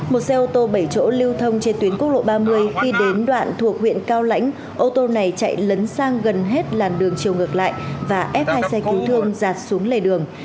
một xe ô tô bảy chỗ lưu thông trên tuyến quốc lộ ba mươi khi đến đoạn thuộc huyện cao lãnh ô tô này chạy lấn sang gần hết làn đường chiều ngược lại và ép hai xe công thương giặt xuống lề đường